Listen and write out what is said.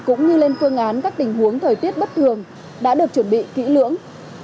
cũng như lên phương án các tình huống thời tiết bất thường đã được chuẩn bị kỹ lưỡng